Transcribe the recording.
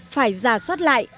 phải giả soát lại